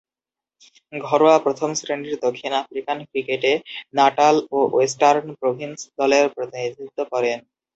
ঘরোয়া প্রথম-শ্রেণীর দক্ষিণ আফ্রিকান ক্রিকেটে নাটাল ও ওয়েস্টার্ন প্রভিন্স দলের প্রতিনিধিত্ব করেন।